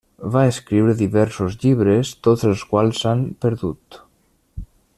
Va escriure diversos llibres tots els quals s'han perdut.